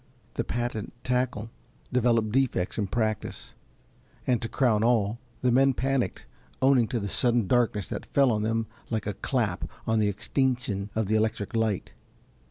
The patent tackle developed defects in practise, and, to crown all, the men panicked owing to the sudden darkness that fell on them like a clap on the extinction of the electric light.